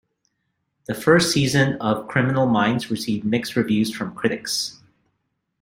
The first season of "Criminal Minds" received mixed reviews from critics.